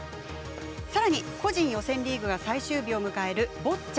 さらに、個人予選リーグが最終日を迎えるボッチャ。